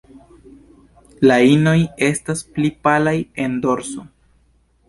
La inoj estas pli palaj en dorso.